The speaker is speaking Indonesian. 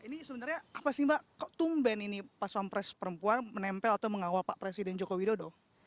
ini sebenarnya apa sih mbak kok tumben ini pas pampres perempuan menempel atau mengawal pak presiden joko widodo